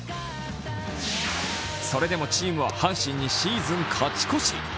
それでもチームは阪神にシーズン勝ち越し。